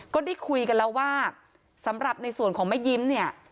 ก็ได้คุยกันแล้วว่าสำหรับในส่วนของแม่ยิ้มเนี่ย